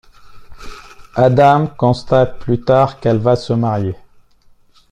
Adam constate plus tard qu'elle va se marier.